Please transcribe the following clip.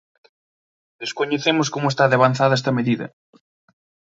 Descoñecemos como está de avanzada esta medida.